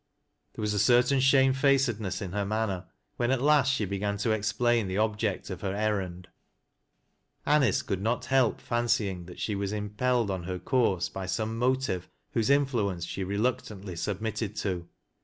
There was a certain shamefacedness in her manner, when at lapt she began to explain the object of he) errand, Anice could not help fancying that she was im pelled on her course by some motive whose influence she reluctantly submitted to.